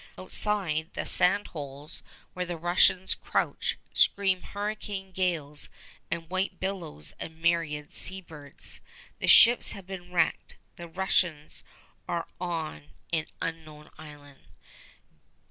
Outside the sand holes, where the Russians crouch, scream hurricane gales and white billows and myriad sea birds. The ships have been wrecked. The Russians are on an unknown island.